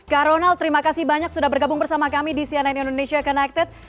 kak ronald terima kasih banyak sudah bergabung bersama kami di cnn indonesia connected